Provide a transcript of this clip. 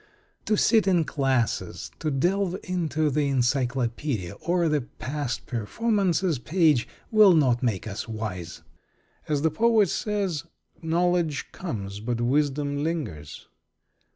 To sit in classes, to delve into the encyclopedia or the past performances page, will not make us wise. As the poet says, "Knowledge comes, but wisdom lingers."